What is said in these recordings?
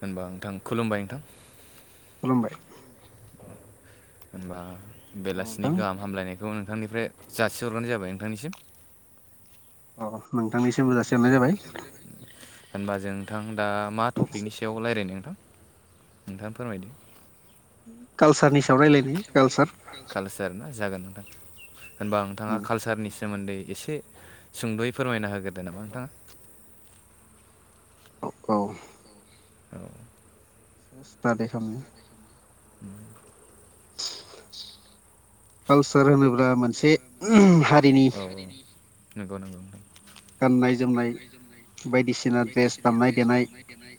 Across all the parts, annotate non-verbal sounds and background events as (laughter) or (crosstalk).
होनबा नोंथां खुलुमबाय नोंथां। खुलुमबाय। होनबा हेलौ बेलासिनि नोंथां गाहाम हामलायनायखौ नोंथांनिफ्राय जासिहरग्रोनाय जाबाय नोंथांनिसिम। अ नोंथांनिसिमबो जाासिहरनाय जाबाय। होमबा जों नोंथां दा मा टपिकनि सायाव रायज्लायनो नोंथां नोंथाङा फोरमायदो। कालसारनि सायाव रायलायनि कालसार कालसार ना जागोन नोंथां होनबा नोंथाङा कालसारनिसो सोमोन्दै एसे सुंद'यै फोरमायना होग्रोदो नामा नोंथाङा। औ। औ। (unintelligible) उम। कालचार होनोब्ला मोनसे हारिनि औ औ नंगौ नंगौ। गाननाय जोमनाय बायदिसिना द्रेस बायदिसिना दामनाय द्रेस देनाय दामनाय देनाय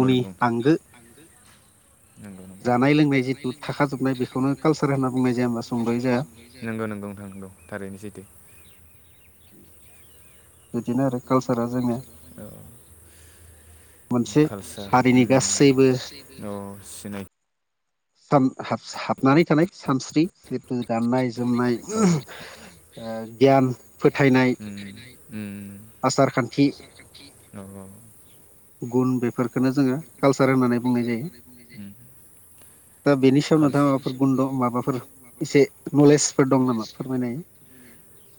गावनि आंगो जानाय लोंनाय जानाय जिथु लोंनाय जितु थाखाजोबनाय बेखौनो थाखाजोबनाय कालसार बेखौनो होनना बुंनाय कालसार जाया होनना होमबा बुंनाय सुंद'यै जाया जायो (unintelligible) नंगौ नोंथां नंगौ थारैनो सैथो। (inaudible) कालसारा जोंनिया औ। मोनसे कालचार हारिनि ओम गासैबो औ सिनायथि साम हाब हाबनानै थानाय सानस्रि जितु गाननाय जोमनाय औ ओ गियान फोथायनाय आसार खान्थि ओम औ औ। गुन बेफोरफोरखौनो जोङो कालसार होननानै बुंनाय जायो। उम दा बेनि सायाव कालस नोंथाङा माबाफोर गन्द' माबाफोर एसे नलेजफोर दं नामा फोरमायनाय (inaudible)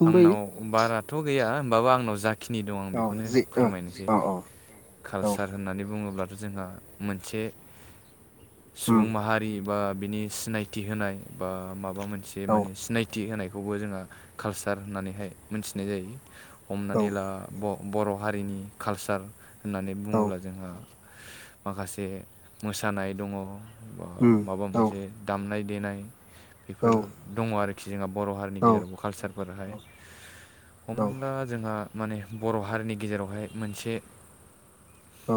आंनाव बाराथ' गैया होमबाबो आंनाव जा खिनि दं आं औ बेखौनो जे औ फोरमायनोसै औ औ कालचार बुङोब्लाथ' जोंहा मोनसे उम सुबुं माहारि बा बिनि सिनायथि होनाय बा माबा मोनसे औ माने सिनायथि होनाय बेखौबो जोंहा कालसार होननानैहाय मिथिनाय जायो हमनानै औ लाब' बर' हारिनि कालचार होननानै औ बुङोब्ला जोंहा माखासे मोसानाय दङ ब उम माबा औ मोनसे दामनाय देनाय औ बेफोर दङ आरोखि जोंहा बर' हारिनि औ गेजेरावबो कालसारफोरहाय औ हमनानै ला जोंहा माने बर' हारिनि गेजेरावहाय मोनसे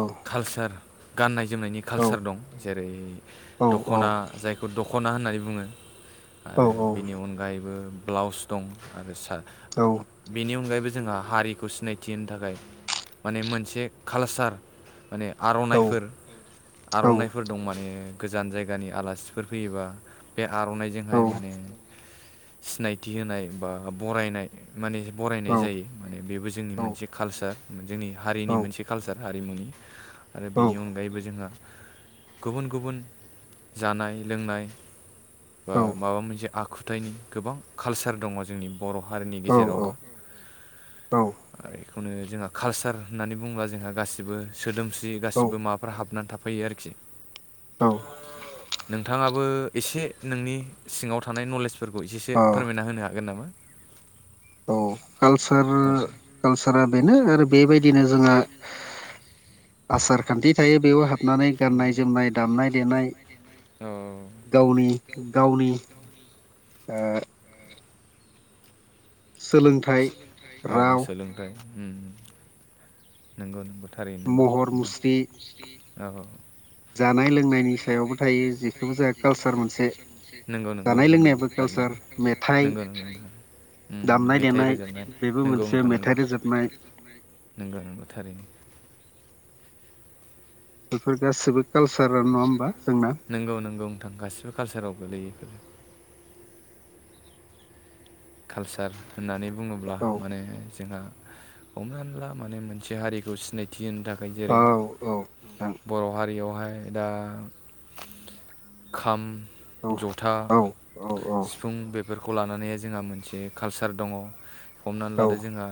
औ कालसार गाननाय जोमनायनि कालसार दं जेरै औ दख'ना औ जायखौ दख'ना होननानै बुङो आरो बिनि अनगायैबो ब्लाउस दं आरो सा आ बिनि अनगायैबो जोंहा हारिखौ सिनायथि होनो थाखाय माने मोनसे कालसार माने आर'नाइफोर आर'नाइफोर दं माने गोजान जायगानि आलासिफोर फैयोबा बे आर'नाइजोंहाय माने सिनायथि होनाय बा बरायनाय माने बरायनाय जायो माने बेबो जोंनि मोनसे कालचार जोंनि हारिनि मोनसे कालचार हारिमुनि आरो बेनि अनगायैबो जोंहा गुबुन गुबुन जानाय लोंनाय बा माबा मोनसे आखुथायाइनि गोबां कालसार दङ जोंनि बर' हारिनि गेजेरावबो आरो बेखौनो जोंहा कालसार होननानै बु बुंबा जोंहा गासिबो सोदोमस्रि गासिबो माबाफोल हाबनानै थाब फैयो आरोखि नोंथाङाबो एसे नोंनि सिङाव थानाय नलेजफोरखौ एसेसो फोरमायना होनो हागोन नामा। कालसार आदसा कालसारा बेनो आरो बेनो आरो बेबायदिनो जोंहा बेबायदिनो जोंना आसार खान्थि आस थायो ख बेयाव थायो हाबनानै बेयाव गाननाय जोमनाय दामनाय गनायोम दामनाय देनाय गनि गावनि ओ सोलोंथाइ औ राव सोलोंथाइ नंगौ नंगौ। थारैनो नंगौ महर मुस्रि नोंथां औ औ। जानाय लोंनायनि सायावबो थायो जेखौबो जोंहा कालसार मोनसे नंगौ नंगौ जानाय नोंथां नंगौ लोंनायाबो कालसार मेथाइ नंगौ नोंथां। ओम दामनाय मेथाइ देनाय रोजाबनाय बेबो नंगौ मोनसे नोंथां मेथाइ नंगौ रोजाबनाय नंगौ नंगौ थारैनो। नो (unintelligible) बेफोर गासिबो कालसारानो नङा होमबा जोंना नंगौ नंगौ नोंथां गासिबो कालसाराव गोलैयो बेफोर। कालसार होननानै बुङोब्ला औ माने जोंहा हमनानै ला माने मोनसे हारिखौ सिनायथि होनो थाखाय औ जेरै औ नोंथां बर' हारियावहाय ओमफ्राय दा खाम औ जथा, औ औ सिफुं बेफोरखौ लानानै जोंहा मोनसे कालचार दङ हमनानै औ लादो जोंहा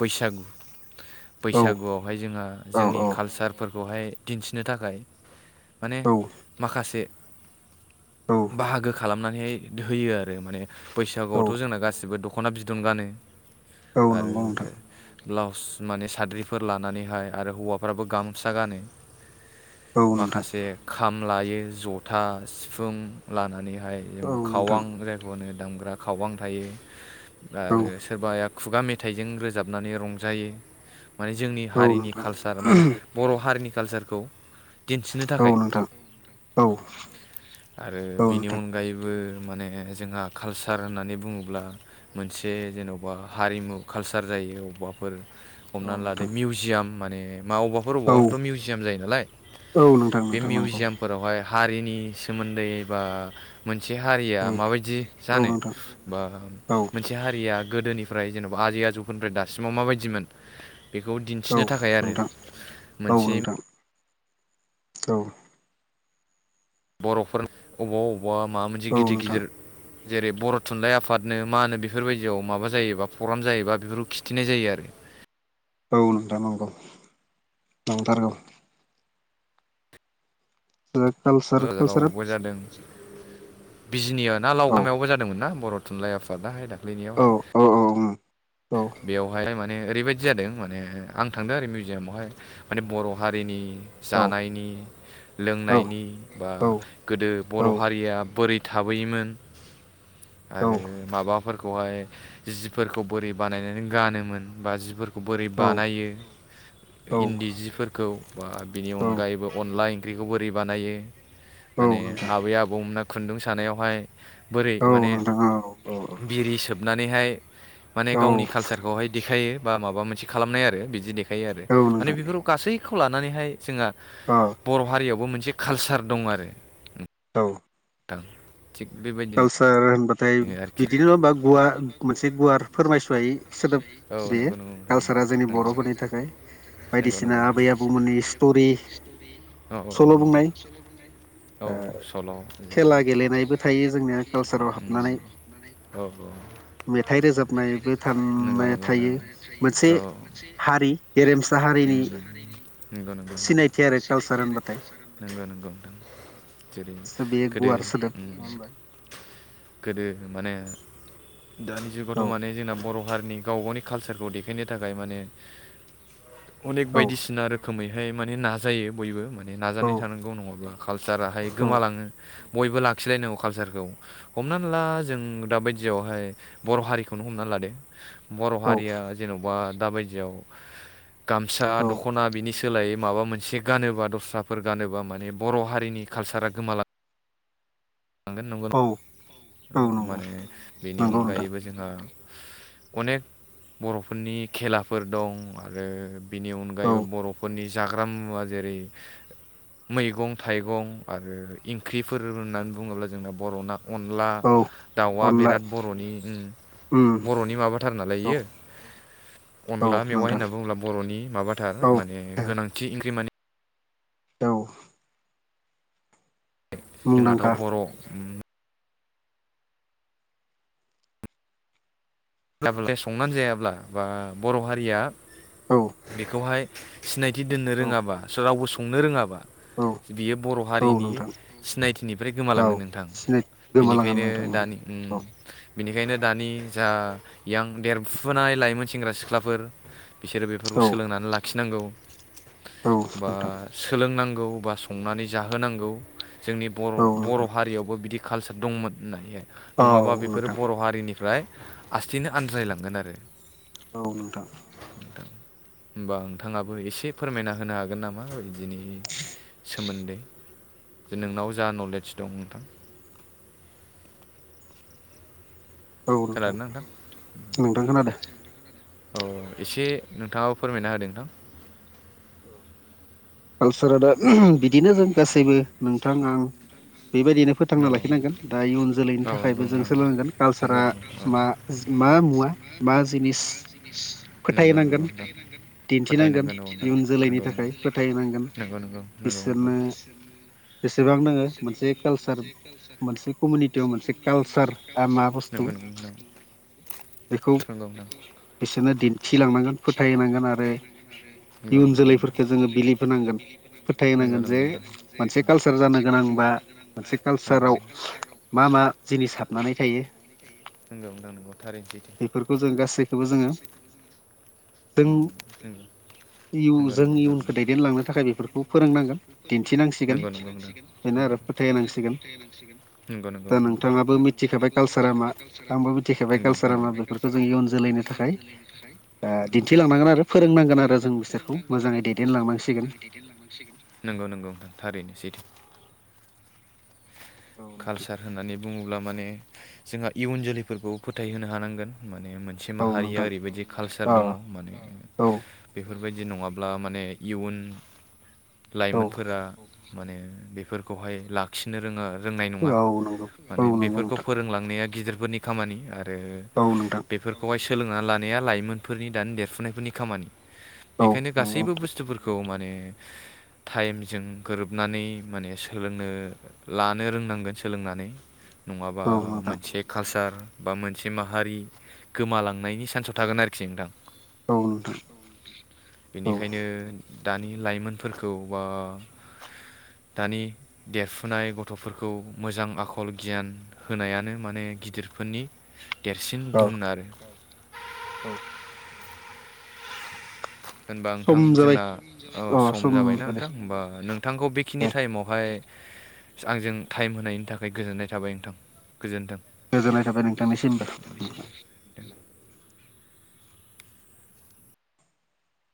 बैसागु। बैसागुआवहाय जोंहा जोंनि कालचारफोरखौहाय दिन्थिनो थाखाय माने माखासे औ बाहागो खालामनानैहाय होयो आरो माने औ बैसागुआवथ' जोंना गासिबो दख'ना बिदन गानो आरो नंगौ नोंथां ब्लाउस माने साद्रिफोर लानानैहाय आरो हौवाफ्राबो गामसा गानो। औ नोंथां माखासे खाम लायो, जथा, सिफुं लानानै बेहाय जेनबा औ नोंथां खावां जायखौनो दामग्रा खावां थायो ओमफ्राय आरो औ सोरबाया खुगा मेथाइजों रोजाबनानै रंजायो। माने जोंनि औ हारिनि नोंथां कालसार माने बर' हारिनि कालसारखौ दिन्थिनो औ थाखाय नोंथां औ आरो औ बेनि नोंथां अनगायैबो माने जोंहा कालसार होननानै बुङोब्ला मोनसे जेन'बा हारिमु कालसार जायो अब्बाफोर औ हमनानै लादो नोंथां मिउजियाम माने मावबाफोर औ अबेबाफोरावथ' मिउजियाम जायो नालाय औ नोंथां बे नोंथां नंगौ मिउजियामफोरावहाय हारिनि सोमोन्दै बा मोनसे हारिया औ माबायदि जानो नोंथां बा औ मोनसे हारिया गोदोनिफ्राय जेन'बा आजै आजौफोरनिफ्राय दासिमाव माबायदिमोन। बेखौ औ दिन्थिनो थाखाय आरो नोंथां औ मोनसे नोंथां औ। बर'फोर अबावबा अबावबा माबा मोनसे औ गिदिर नोंथां गिदिर जेरै बर' थुनलाइ आफादनो मा होनो बेफोरबायदियाव माबा जायोबा प्रग्राम जायोबा बेफोरखौ खिथिनाय जायो आरो। औ नोंथां नंगौ नंथारगौ। जोंहा कालसार कालसारा बिजनियाव ना लावगामायावबो जादोंमोन ना बर' थुनलाइ आफादाहाय औ दाख्लैनियावहाय? औ औ बेवहाय माने ओरैबायदि जादों माने आं थांदों आरो मिउजियामावहाय माने बर' हारिनि औ जानायनि औ लोंनायनि बा औ गोदो बर' हारिया बोरै थाबोयोमोन आरो माबाफोरखौहाय जिफोरखौ बोरै बानायनानै गानोमोन बा जिफोरखौ बोरै बानायो। औ इन्दि जिफोरखौ बा बिनि अनगायैबो अनला ओंख्रिखौ बोरै बानायो। औ माने नोंथां आबै आबौमोना खुन्दुं सानायावहाय बोरै औ माने नोंथां औ बिरि सोबनानैहाय माने औ गावनि कालचारखौहाय दि देखायो बा माबा मोनसे खालामनाय आरो बिदि देखायो आरो माने नोंथां बेफोर गासैखौ लानानैहाय जोंहा बर' हारियावबो मोनसे कालसार दं आरो। औ नोंथां। थिग बेबायदिनो कालसार होनबा नाथाय आरोखि बिदिनो बा गुवार मोनसे गुवार फोरमायस'वायै सोदोब औ बेयो नंगौ नंगौ नोंथां कालसारा जोंनि नंगौ बर'फोरनि थाखाय नंगौ नंगौ बायदिसिना नोंथां आबै आबौमोननि स्टरि। औ सल' बुंनाय औ नोंगौ नोंथां औ सल' दायो जेरै जोंनो कालसाराव हाबनानै औ औ। मेथाइ रोजाबनायबो नंगौ थाननाय नंगौ नोंथां थायो मोनसे हारि गेरेमसा हा ओम ओम नंगौ नंगौ नोंथां आरो कालसार होनबाथाय नोंगौ नोंगौ नोंथां। जेरै बे गोदो गुवार सोदोब उम्म। नङा होमबा माने दानि औ जुगावथ' माने जोंना बर' हारि नि गावबा गावनि कालचारखौ देखायनो थाखाय माने अनेक औ बायदिसिना रोखोमै बेहाय माने नाजायो बयबो माने औ नाजानाय थानांगौ नङाब्ला कालसाराहाय औ गोमालाङो। बयबो लाखिलायनांगौ कालसारखौ। हमनानै ला जों दा बायदियावहाय बर' हारिखौनो हमना लादो। बर' औ हारिया जेन'बा दा बायदियाव गामसा औ दख'ना बिनि सोलायै माबा मोनसे गानोबा दस्राफोर गानोबा माने बर' हारिनि कालसारा गोमा लांगोन नंगौ औ नंगौ माने बेनि नंगौ नोंथां अनगायैबो जोंहा अनेक बर'फोरनि खेलाफोर दं आरो बिनि औ अनगायैबो बर'फोरनि जाग्रा मुवा जेरै मैगं थाइगं आरो ओंख्रिफोर होननानै बुङोब्ला जोंना बर'ना अनला औ दाउआ अनला बिराद बर'नि उम्म उम बर'नि माबाथार नालाय औ इयो। औ अनला मेवाइ नोंथां होनना बुङोब्ला बर'नि माबाथार औ माने गोनांथि ओंख्रि माने औ। जोंहाथ' मुंदांखा बर' संनानै जायाब्ला बा बर' हारिया औ बेखौहाय सिनायथि दोननो औ रोङाबा रावबो संनो रोङाबा औ बियो बर' औ हारिनि नोंथां सिनायथिनिफ्राय औ गोमालांगोन नोंथां। सिनाय गोमालांगोन बेनिखायनो नोंथां दानि औ उम्म बिनिखायनो दानि जा यां देरफुनाय लाइमोन सेंग्रा सिख्लाफोर बिसोरो बेफोरखौ औ सोलोंनानै लाखिनांगौ औ बा नोंथां सोलों गौ संनानै जाहो नांगौ जोंनि बर' औ बर' हारियावबो बिदि कालसार दंमोन होननानैहाय नङाबा औ बेफोरो नोंथां बर' हारिनिफ्राय लासैनो आनज्रायलांगोन आरो औ नोंथां। होमबा नोंथाङाबो एसे फोरमायना होनो हागोन नामा बिदिनि सोमोन्दै? नोंनाव जा नलेज दं नोंथां। (inaudible) नोंथां खोनादोंना नोंथां नोंथां खोनादों औ एसे नोंथाङाबो फोरमायना होदो नोंथां कालसारा दा बिदिनो जों गासैबो नोंथां आं। बेबायदिनो औ फोथांना लाखिनांगोन दा इयुन जोलैनि नंगौ थाखायबो जों नोंथां सोलोंनांगोन नंगौ कालसारा नंगौ औ मा मा बा मुवा बा जिनिस नंगौ नंगौ फोथायनांगोन नोंथां दिन्थिनांगोन फोथायनांगोन औ इयुन जोलैनि गंगौ थाखाय फोथायनांगोन नंगौ नंगौ नंगौ। बिसोरनो जेसेबां नोङो मोनसे कालसार मोनसे कमिउनिटियाव मोनसे कालसारा मा बुस्थु नंगौ नंगौ बेखौ नंगौ। बिसोरनो दिन्थिलांनांगोन फोथायनांगोन आरो। इयुन जोलैफोरखौ जोङो बिलिबहोनांगोन नंगौ फोथायोनांगोन नंगौ जे मोनसे नोंथां कालसार जानो गोनांबा मोनसे औ औ कालसाराव सेकालसाराव मा मा जिनिस हाबनानै थायो। नोंगौ नोंगौ थारैनो सैथो- थेवबो जोङो उम जों नंगौ नंगौ जोंनि इयुनखौ दैदेनलांनो थाखाय बेफोरखौ फोरोंनांगोन दिन्थिनांसिगोन बेनो आरो। बेनो आरो फोथायनांसिगोन फथायांसिगोन नंगौं नंगौ दा नोंथाङाबो दा मिथिखाबाय नोंथाङाबो कालसारा मा मिथिखाबाय कालसारा आंबो मा। मिथिखाबाय कालसारा मा बेफोरखौ जों इयुन जोलैनो थाखाय दिन्थिलांनांगोन आरो फोरोंनांगोन आरो जों बिसोरखौ मोजाङै दैदेन लांनांसिगोन नंगौ नंगौ नोंथां थारैनो सैथो। कालसार होननानै बुङोब्ला माने जोंहा इयुन जोलैफोरखौ फोथाय होनो हानांगोन माने मोनसे औ नोंथां औ माहारिया नोंथां ओरैबायदि कालसार अ दङ' माने औ बेखौ बेफोरबायदि नङाब्ला माने इयुन औ लाइमोनफोरा माने बेफोरखौहाय लाखिनो रोङो आरो। रोंनाय नङा औ नंगौ औ माने नंगौ बेफोरखौ नोंथां फोरोंलांनाया गिदिरफोरनि खामानि आरो औ नोंथां बे फोरखौहाय सोलोंनानै लानाया लाइमोनफोरनि दानि देरफुनायफोरनि खामानि औ बेखायनो नंगौ नोंथां गासैबो बुस्थुफोरखौ माने टाइमजों गोरोबनानै माने सोलोंनो लानो रोंनांगोन सोलोंनानै नङाबा औ नोंथां मोनसे कालसार बा मोनसे माहारि गोमालांनायनि सान्सआव थागोन आरोखि नोंथां। औ नोंथां औ। बेनिखायनो दानि लाइमोनफोरखौ बा दानि देरफुनाय गथ'फोरखौ मोजां आखल गियान होनायानो माने बे गिदिरफोरनि देरसिन औ गुन आरो। औ। होनबा नोंथां सम जाबाय जोंना अ सम जाबायना जाबाय दे नोंथां होमबा नोंथांखौ बेखिनि दे टाइमावहाय आंजों टाइम होनायनि थाखाय गोजोननाय थाबाय नोंथां। गोजोन्थों गोजोननाय थाबाय नोंथांनिसिमबो